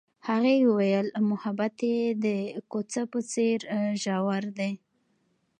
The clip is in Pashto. هغې وویل محبت یې د کوڅه په څېر ژور دی.